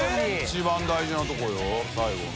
一番大事なところよ最後の。